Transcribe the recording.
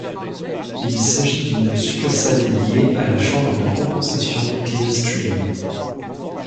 Il s'agit une succursale liée à la chambre de compensation Clearstream.